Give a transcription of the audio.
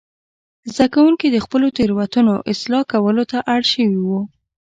زده کوونکي د خپلو تېروتنو اصلاح کولو ته اړ شوي وو.